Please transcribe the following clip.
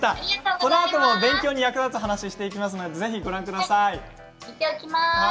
このあとも勉強に役立つ話をしますので、ぜひご覧ください。